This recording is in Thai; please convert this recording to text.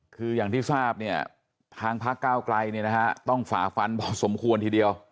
คืออย่างที่ทราบเนี่ยทางพักเก้าไกลเนี่ยนะฮะต้องฝ่าฟันพอสมควรทีเดียว